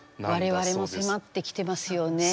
我々も迫ってきてますよね。